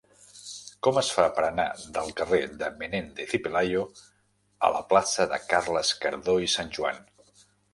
Com es fa per anar del carrer de Menéndez y Pelayo a la plaça de Carles Cardó i Sanjoan?